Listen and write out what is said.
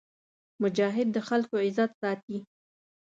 مجاهد د خلکو عزت ساتي.